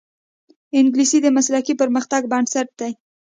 انګلیسي د مسلکي پرمختګ بنسټ دی